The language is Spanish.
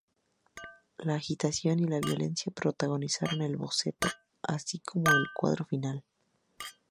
La agitación y la violencia protagonizan el boceto, así como el cuadro final.